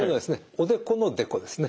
おでこのデコですね。